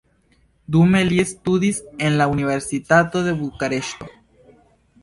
Dume li studis en la universitato de Bukareŝto.